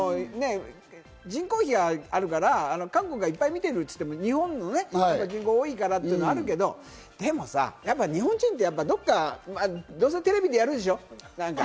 人口比があるから、韓国はいっぱい見てると言っても、日本のね、人口多いからというのはあるけど、でも日本人ってどこかテレビでやるでしょう。